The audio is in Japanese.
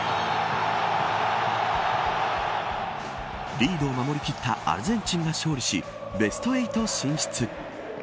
リードを守りきったアルゼンチンが勝利しベスト８進出。